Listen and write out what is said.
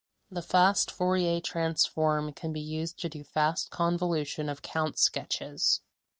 The fast Fourier transform can be used to do fast convolution of count sketches.